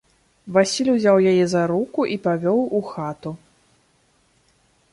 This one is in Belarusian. Васіль узяў яе за руку і павёў у хату.